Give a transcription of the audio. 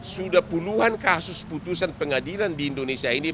sudah puluhan kasus putusan pengadilan di indonesia ini